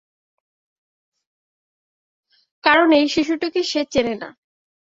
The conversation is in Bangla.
কারণ এই শিশুটিকে সে চেনে না।